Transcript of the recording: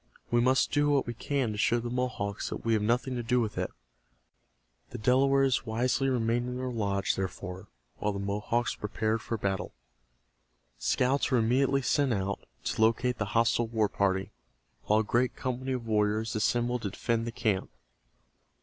We must do what we can to show the Mohawks that we have nothing to do with it." The Delawares wisely remained in their lodge, therefore, while the Mohawks prepared for battle. Scouts were immediately sent out to locate the hostile war party, while a great company of warriors assembled to defend the camp.